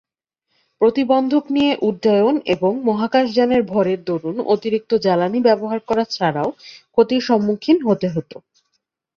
প্রতিবন্ধক নিয়ে উড্ডয়ন এবং মহাকাশযানের ভরের দরুন অতিরিক্ত জ্বালানি ব্যবহার করা ছাড়াও ক্ষতির সম্মুখীন হতে হত।